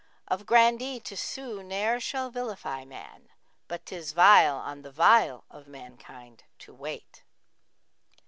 Of Grandee to sue ne'er shall vilify man, * But 'tis vile on the vile of mankind to 'wait.'